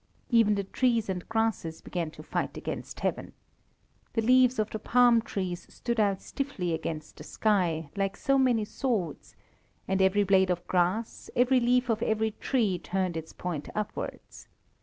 Even the trees and grasses began to fight against Heaven. The leaves of the palm trees stood out stiffly against the sky, like so many swords, and every blade of grass, every leaf of every tree turned its point upwards.